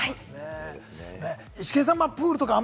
イシケンさん、プールとかあ